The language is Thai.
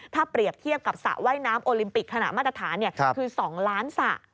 ถ้าเปรียบเทียบกับสระว่ายน้ำโอลิมปิกขณะมาตรฐานคือ๒ล้านสระ